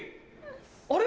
あれ？